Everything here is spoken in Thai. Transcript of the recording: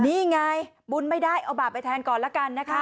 นี่ไงบุญไม่ได้เอาบาปไปแทนก่อนละกันนะคะ